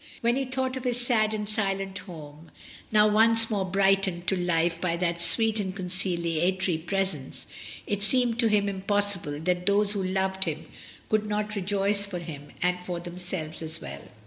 When he thought of his sad and silent home, now once more brightened to life by that sweet and conciliatory presence, it seemed to him impossible that those who loved him should not rejoice for him and for themselves as well.